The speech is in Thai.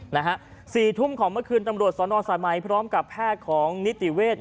นะฮะสี่ทุ่มของเมื่อคืนตำรวจสนสายไหมพร้อมกับแพทย์ของนิติเวทย์